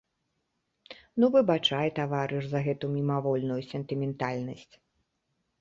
Ну, выбачай, таварыш, за гэту мімавольную сентыментальнасць.